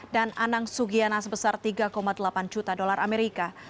dan anang sugiana sebesar tiga delapan juta dolar amerika